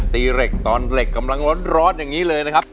ตีเหล็กตอนเหล็กกำลังร้อนอย่างนี้เลยนะครับ